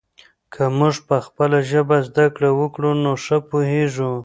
که موږ په خپله ژبه زده کړه وکړو نو ښه پوهېږو.